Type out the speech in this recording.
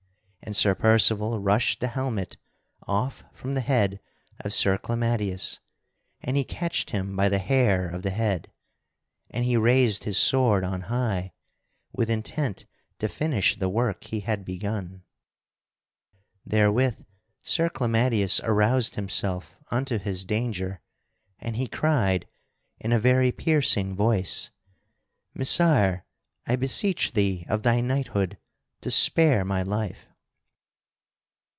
And Sir Percival rushed the helmet off from the head of Sir Clamadius, and he catched him by the hair of the head, and he raised his sword on high with intent to finish the work he had begun. Therewith Sir Clamadius aroused himself unto his danger, and he cried in a very piercing voice: "Messire, I beseech thee of thy knighthood to spare my life!"